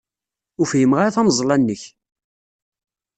Ur fhimeɣ ara tameẓla-nnek.